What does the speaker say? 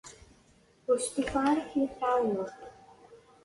Ur stufaɣ ara akken ad t-ɛawneɣ.